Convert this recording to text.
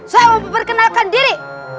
saya mau perkenalkan diri